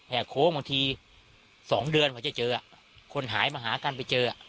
โค้งบางที๒เดือนกว่าจะเจอคนหายมาหากันไปเจอ